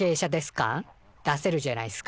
感出せるじゃないっすか。